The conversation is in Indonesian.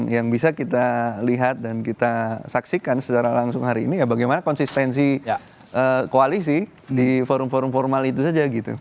yang bisa kita lihat dan kita saksikan secara langsung hari ini ya bagaimana konsistensi koalisi di forum forum formal itu saja gitu